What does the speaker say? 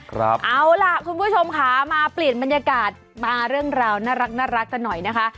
ครับเอาล่ะคุณผู้ชมค่ะมาปลิดบรรยากาศมาเรื่องราวน่ารักน่ารักกันหน่อยนะคะ